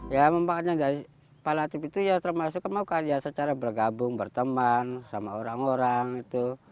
ya mempunyai dari pak latif itu ya termasuk mau karya secara bergabung berteman sama orang orang itu